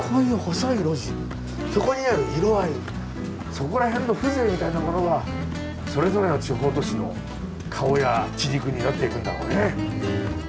そこら辺の風情みたいなものがそれぞれの地方都市の顔や血肉になっていくんだろうね。